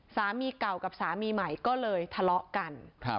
สามีเก่ากับสามีใหม่ก็เลยทะเลาะกัน